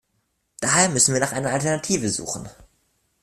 Daher müssen wir nach einer Alternative suchen.